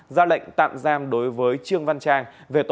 ra lệnh tạm giam đối với trương văn trang